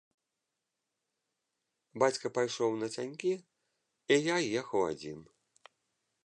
Бацька пайшоў нацянькі, і я ехаў адзін.